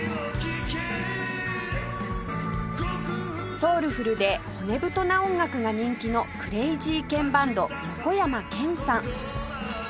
ソウルフルで骨太な音楽が人気のクレイジーケンバンド横山剣さん